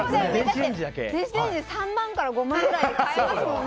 電子レンジって３万から５万くらいで買えますもんね。